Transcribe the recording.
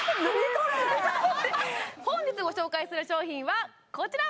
本日ご紹介する商品はこちら！